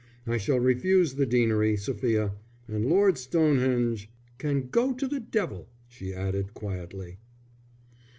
I shall refuse the deanery, Sophia; and Lord Stonehenge " "Can go to the devil," she added, quietly.